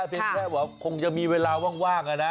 เพียงแค่ว่าคงจะมีเวลาว่างนะ